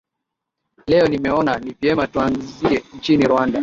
leo nimeona ni vyema tuanzie nchini rwanda